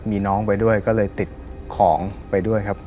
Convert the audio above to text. มีน้องไปด้วยก็เลยติดของไปด้วยครับ